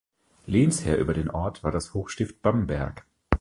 Lehnsherr über den Ort war das Hochstift Bamberg.